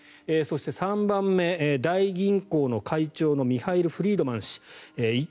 そして、３番目、大銀行の会長のミハイル・フリードマン氏。